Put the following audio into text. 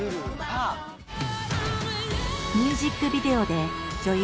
ミュージックビデオで女優